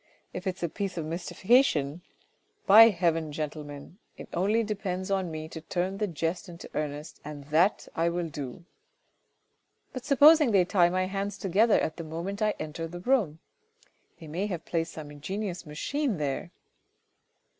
If it's a piece of mystification, by heaven, gentlemen, it only depends on me to turn the jest into earnest and that I will do. " But supposing they tie my hands together at the moment I enter the room : they may have placed some ingenious machine there.